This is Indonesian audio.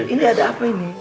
ini ada apa ini